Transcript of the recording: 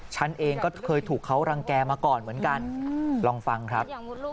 ฉันเองก็เคยถูกเขารังแก่มาก่อนเหมือนกันลองฟังครับ